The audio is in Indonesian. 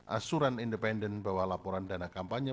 asuran independen bahwa laporan dana kampanye